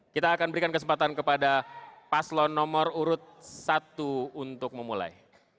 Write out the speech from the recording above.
kita akan berikan kesempatan kepada paslon nomor urut satu untuk memulai